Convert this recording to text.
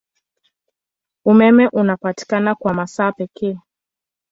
Umeme unapatikana kwa masaa pekee.